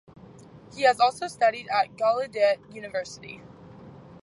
He has also studied at Gallaudet University.